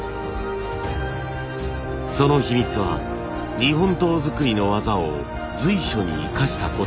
その秘密は日本刀づくりの技を随所に生かしたこと。